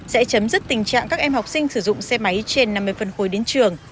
sẽ chấm dứt tình trạng các em học sinh sử dụng xe máy trên năm mươi phân khối đến trường